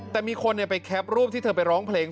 แต่มีคนไปแคปรูปที่เธอไปร้องเพลง